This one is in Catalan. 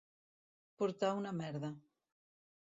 Portar una merda.